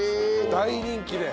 大人気で。